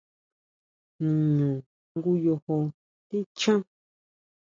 ¿Niñu ngoyo tichján?